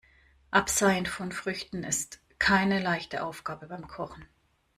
Abseien von Früchten ist keine leichte Aufgabe beim Kochen.